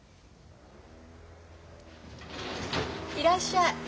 いらっしゃい。